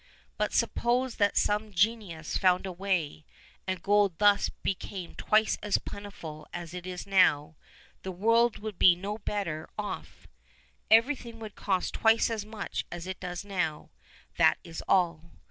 But suppose that some genius found a way, and gold thus became twice as plentiful as it is now, the world would be no better off. Everything would cost twice as much as it does now; that is all.